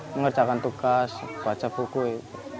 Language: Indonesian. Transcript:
mengerjakan tugas baca buku